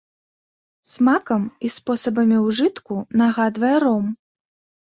Смакам і спосабамі ўжытку нагадвае ром.